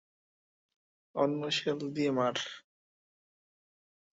অন্য শেল দিয়ে মার!